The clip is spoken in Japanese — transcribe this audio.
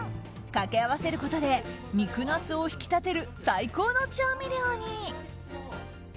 掛け合わせることで肉ナスを引き立てる最高の調味料に。